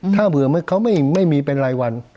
ถ้าเผื่อเขาไม่มีเป็นรายวัน